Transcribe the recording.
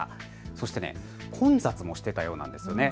そして混雑もしていたようなんです。